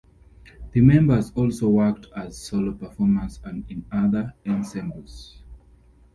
The members also worked as solo performers and in other ensembles.